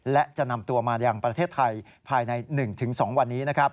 และจะนำตัวมายังประเทศไทยภายใน๑๒วันนี้